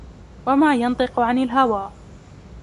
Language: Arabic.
وَمَا يَنطِقُ عَنِ الْهَوَى